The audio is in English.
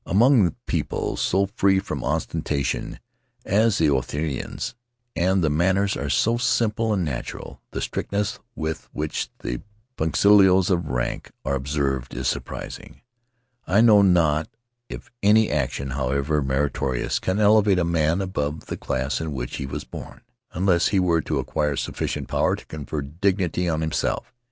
"Among people so free from osten Faery Lands of the South Seas tation as the Otaheiteans, and whose manners are so simple and natural, the strictness with which the punctilios of rank are observed is surprising. I know not if any action, however meritorious, can elevate a man above the class in which he was born, unless he were to acquire sufficient power to confer dignity on himself.